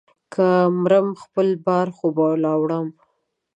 که مرم ، خپل بار خو به لا وړم.